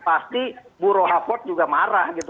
pasti bu rohafoth juga marah gitu